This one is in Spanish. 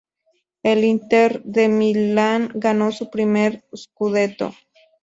El Inter de Milán ganó su primer "scudetto".